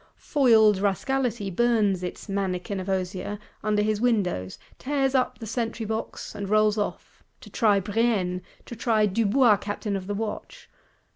Foiled Rascality burns its "Mannikin of osier," under his windows; "tears up the sentry box," and rolls off: to try Brienne; to try Dubois Captain of the Watch.